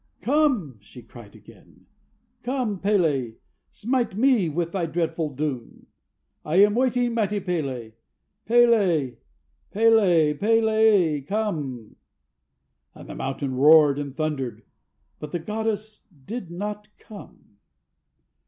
"Come!" she cried again. "Come, P├®l├®! Smite me with thy dreadful doom! I am waiting, mighty P├®l├®! P├®l├®! P├®l├®! P├®l├®! come!" And the mountain roared and thundered; but the goddess did not come.